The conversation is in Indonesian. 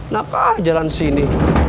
nakal jalan sini